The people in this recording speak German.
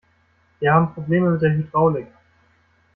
Wir haben Probleme mit der Hydraulik.